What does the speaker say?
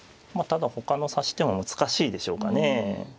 ただほかの指し手も難しいでしょうかね。